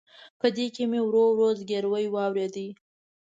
په دې کې مې ورو ورو زګیروي واورېد.